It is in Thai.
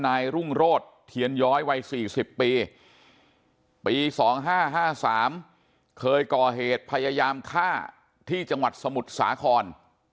นายรุ่งโรธเทียนย้อยวัย๔๐ปีปี๒๕๕๓เคยก่อเหตุพยายามฆ่าที่จังหวัดสมุทรสาคร